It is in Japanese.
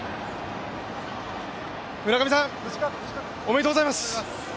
村上さん、おめでとうございます。